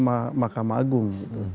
yang dikeluarkan oleh mahkamah agung